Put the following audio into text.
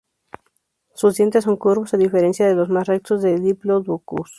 Sus dientes son curvos, a diferencia de los más rectos de "Diplodocus".